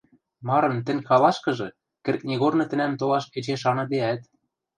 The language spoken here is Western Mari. Марын тӹнг халашкыжы кӹртнигорны тӹнӓм толаш эче шаныдеӓт